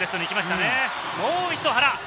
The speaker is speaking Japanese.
もう一度、原。